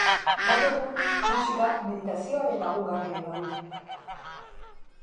Gaur egun, musika meditazioaren lagungarri ere badu.